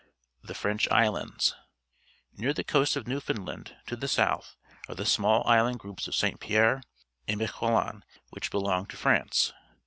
The French Islands. — Near the coast of Newfoundland, to the south, are the small island groups of »S/. Pierre and Miquelon. which belong to France.